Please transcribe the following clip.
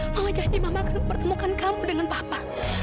mama janji mama akan mempertemukan kamu dengan papa